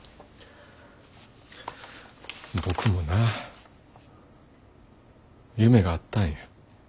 僕もなあ夢があったんや。